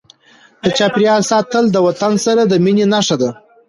د چاپیریال ساتل د وطن سره د مینې نښه ده.